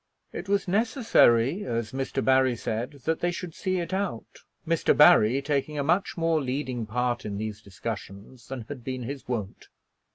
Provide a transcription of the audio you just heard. It was necessary, as Mr. Barry said, that they should see it out, Mr. Barry taking a much more leading part in these discussions than had been his wont.